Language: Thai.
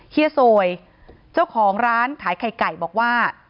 เฮียโซยเจ้าของร้านขายไข่ไก่บอกว่า